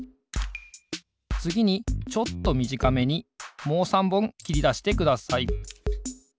つぎにちょっとみじかめにもう３ぼんきりだしてください。